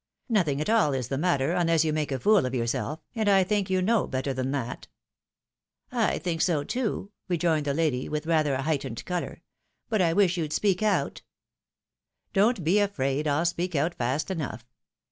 " Nothing at all is the matter, unless you make a fool of yourself ; and I think you know better than that." " I think so too," rejoined the lady, with rather a heightened colour ;" but I wish you'd speak out." " Don't be afraid, I'll speak out fast enough.